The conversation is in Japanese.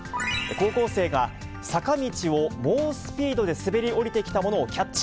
高校生が坂道を猛スピードで滑り降りてきたものをキャッチ。